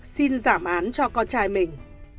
xin giảm án cho con trai mình